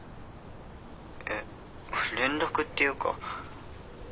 えっ連絡っていうか。